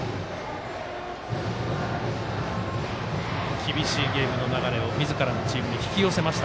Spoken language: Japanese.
厳しいゲームの流れをみずからのチームに引き寄せました